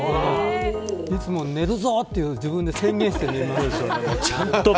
いつも寝るぞと自分に宣言して寝ます。